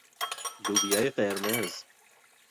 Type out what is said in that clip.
لوبیای قرمز